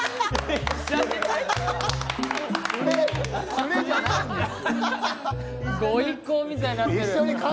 連れじゃないんです。